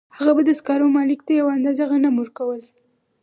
هغه به د سکارو مالک ته یوه اندازه غنم ورکول